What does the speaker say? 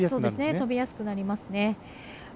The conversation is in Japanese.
飛びやすくなりますね。